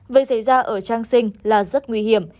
việc xảy ra ở trang sinh là rất nguy hiểm